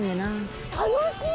楽しい！